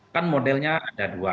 kan modelnya ada dua